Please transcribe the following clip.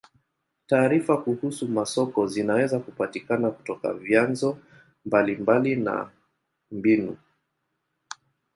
Taarifa kuhusu masoko zinaweza kupatikana kutoka vyanzo mbalimbali na na mbinu.